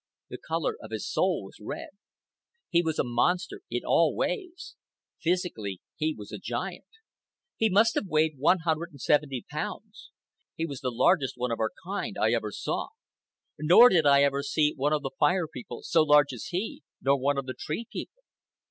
The color of his soul was red. He was a monster in all ways. Physically he was a giant. He must have weighed one hundred and seventy pounds. He was the largest one of our kind I ever saw. Nor did I ever see one of the Fire People so large as he, nor one of the Tree People.